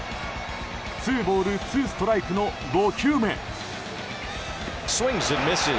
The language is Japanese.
ツーボール、ツーストライクの５球目。